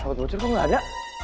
dapet bocor kok gak ada